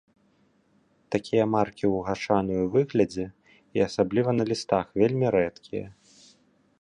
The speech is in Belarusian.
Такія маркі ў гашаную выглядзе, і асабліва на лістах, вельмі рэдкія.